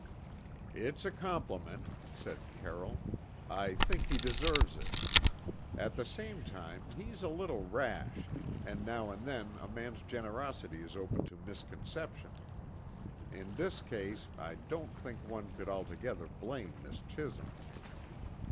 "It's a compliment," said Carroll. "I think he deserves it. At the same time, he's a little rash, and now and then a man's generosity is open to misconception. In this case, I don't think one could altogether blame Miss Chisholm."